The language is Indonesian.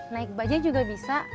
naik bajaj juga bisa